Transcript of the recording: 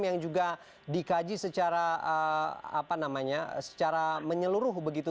yang juga dikaji secara apa namanya secara menyeluruh begitu